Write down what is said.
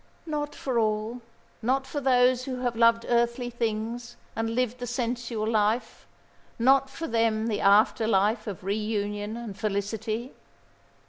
"Not for all, not for those who have loved earthly things and lived the sensual life, not for them the afterlife of reunion and felicity."